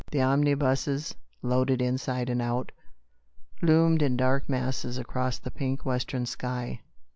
The omni buses, loaded inside and out, loomed in dark masses against the pink western sky.